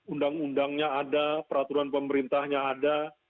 undang undangnya ada peraturan pemerintahnya ada